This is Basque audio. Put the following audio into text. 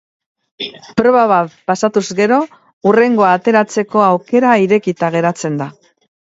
Proba bat pasatuz gero, hurrengoa ateratzeko aukera irekita geratzen da.